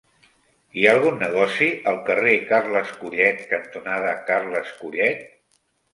Hi ha algun negoci al carrer Carles Collet cantonada Carles Collet?